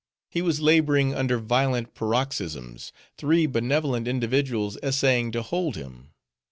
He was laboring under violent paroxysms; three benevolent individuals essaying to hold him.